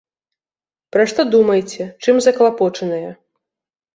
Пра што думаеце, чым заклапочаныя?